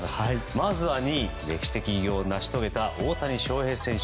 まずは２位、歴史的偉業を成し遂げた大谷翔平選手。